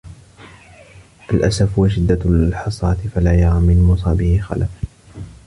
الْأَسَفُ وَشِدَّةُ الْحَسْرَةِ فَلَا يَرَى مِنْ مُصَابِهِ خَلَفًا